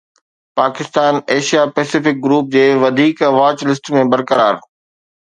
Pakistan Asia Pacific group جي وڌيڪ watch list ۾ برقرار